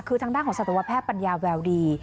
คือทางด้านของสัตวแพทย์ปัญญาแววดี